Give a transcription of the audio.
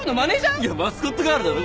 いやマスコットガールだろ？